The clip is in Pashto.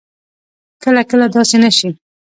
کله کله داسې نه شي